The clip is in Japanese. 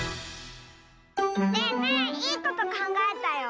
ねえねえいいことかんがえたよ。